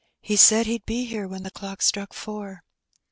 He said he'd be here when the clock struck four."